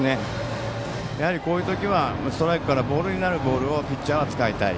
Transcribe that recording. やはり、こういう時はストライクからボールになるボールをピッチャーは使いたい。